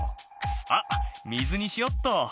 「あっ水にしよっと」